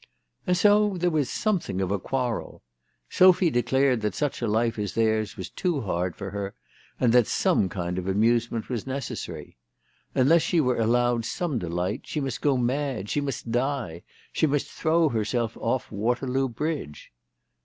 And so there was something of a quarrel. Sophy declared that such a life as theirs was too hard for her, and that some kind of amusement was necessary. Unless she were allowed some delight she must go mad, she must die, she must throw herself off Waterloo Bridge.